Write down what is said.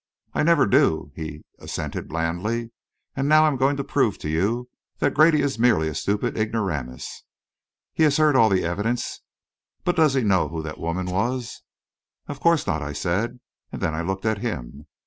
"I never do," he assented blandly. "And now I'm going to prove to you that Grady is merely a stupid ignoramus. He has heard all the evidence, but does he know who that woman was?" "Of course not," I said, and then I looked at him.